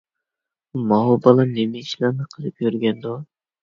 ماۋۇ بالا نېمە ئىشلارنى قىلىپ يۈرگەندۇ؟